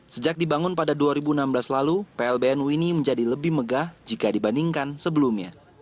sejak dibangun pada dua ribu enam belas lalu plbn wini menjadi lebih megah jika dibandingkan sebelumnya